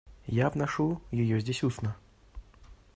Я вношу ее здесь устно.